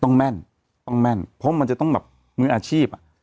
แม่นต้องแม่นเพราะมันจะต้องแบบมืออาชีพอ่ะ